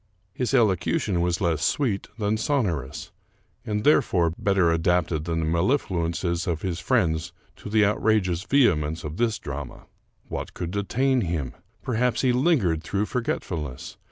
His elocution was less sweet than sonorous, and, therefore, better adapted than the mellifluences of his friend to the out rageous vehemence of this drama. What could detain him? Perhaps he lingered through forgetfulness.